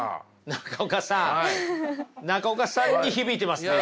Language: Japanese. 中岡さん中岡さんに響いてますよね。